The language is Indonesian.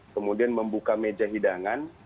kemudian membuka meja hidangan